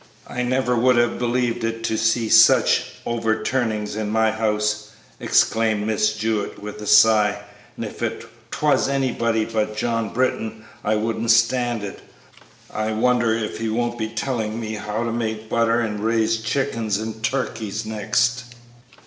"I never would have believed it to see such overturnings in my house!" exclaimed Miss Jewett, with a sigh; "and if 'twas anybody but John Britton I wouldn't stand it. I wonder if he won't be telling me how to make butter and raise chickens and turkeys next!"